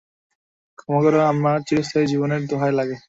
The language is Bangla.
ক্ষমা কর, আমার চিরস্থায়ী জীবনের দোহায় লাগে।